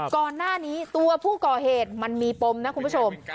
ก่อนหน้านี้ตัวผู้ก่อเหตุมันมีปมนะคุณผู้ชม